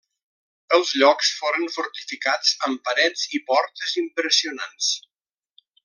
Els llocs foren fortificats amb parets i portes impressionants.